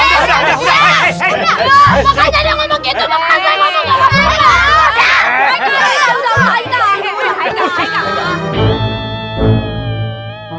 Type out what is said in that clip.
makan aja jangan begitu